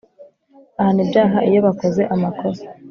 ahana ibyaha iyo bakoze amakosa